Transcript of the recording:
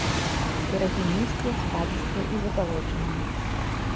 Берагі нізкія, спадзістыя і забалочаныя.